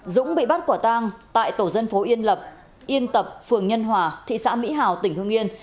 dũng bị bắt quả tang tại tổ dân phố yên lập yên tập phường nhân hòa thị xã mỹ hào tỉnh hương yên